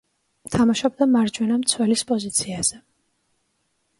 თამაშობდა მარჯვენა მცველის პოზიციაზე.